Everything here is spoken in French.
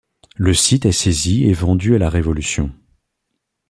Le site est saisi et vendu à la Révolution.